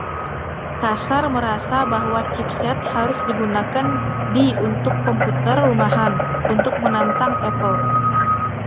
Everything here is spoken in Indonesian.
Kassar merasa bahwa chipset harus digunakan di untuk komputer rumahan untuk menantang Apple.